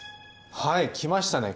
はい来ましたね